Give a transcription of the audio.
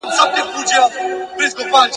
مخامخ وو د سلمان دوکان ته تللی !.